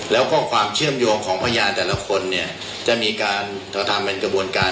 แล้วก็ความเชื่อมโยงของพยานแต่ละคนเนี่ยจะมีการกระทำเป็นกระบวนการ